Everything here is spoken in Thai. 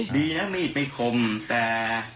ดีนะนี่ไม่คมแต่